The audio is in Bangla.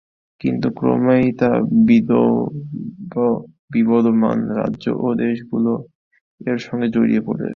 কিন্তু ক্রমেই তা বিবদমান রাজ্য ও দেশগুলো এর সঙ্গে জড়িয়ে পড়ে।